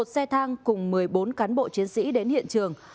một xe thang cùng một mươi bốn cán bộ chiến sĩ đến hiện trường